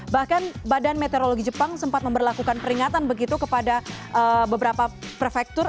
bahkan badan meteorologi jepang sempat memperlakukan peringatan begitu kepada beberapa prefektur